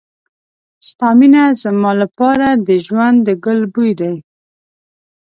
ستا مینه زما لپاره د ژوند د ګل بوی دی.